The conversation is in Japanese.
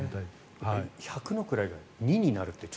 １００の位が２になるという。